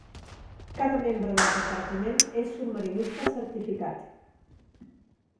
Cada membre del repartiment és submarinista certificat.